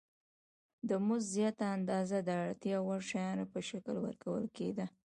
د مزد زیاته اندازه د اړتیا وړ شیانو په شکل ورکول کېده